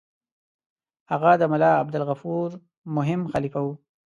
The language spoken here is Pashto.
هغه د ملا عبدالغفور مهم خلیفه وو.